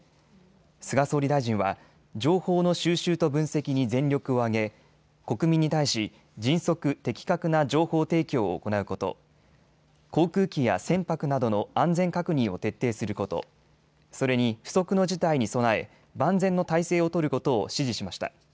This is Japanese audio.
菅総理大臣は情報の収集と分析に全力を挙げ、国民に対し迅速・的確な情報提供を行うこと、航空機や船舶などの安全確認を徹底すること、それに不測の事態に備え万全の態勢を取ることを指示しました。